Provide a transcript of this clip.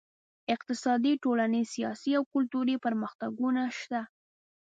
اقتصادي، ټولنیز، سیاسي او کلتوري پرمختګونه شته.